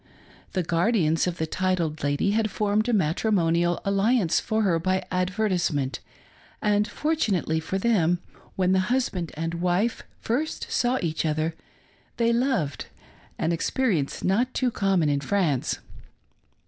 The guardians of the titled lady had formed a mat rimonial alliance for her by advertisement, and, fortunately for them, when the husband and wife first saw each other, they loved — an experience not too commoji in France.